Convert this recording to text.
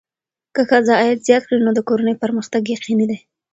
که ښځه عاید زیات کړي، نو د کورنۍ پرمختګ یقیني دی.